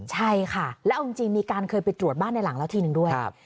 ใช่ค่ะแล้วเอาจริงมีการเคยไปตรวจบ้านในหลังแล้วทีนึงด้วย